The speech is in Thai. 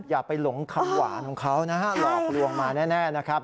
อย่าไปหลงคำหวานของเขานะฮะหลอกลวงมาแน่นะครับ